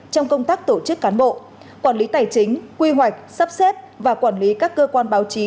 trong công tác tổ chức cán bộ quản lý tài chính quy hoạch sắp xếp và quản lý các cơ quan báo chí